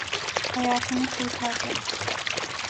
Hayatını kurtardın.